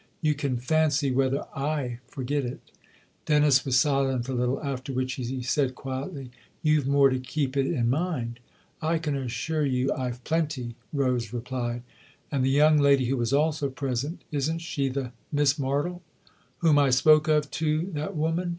You can fancy whether / forget it !" Dennis was silent a little ; after which he said quietly :" You've more to keep it in mind." " I can assure you I've plenty !" Rose replied. "And the young lady who was also present isn't she the Miss Martle ?"" Whom I spoke of to that woman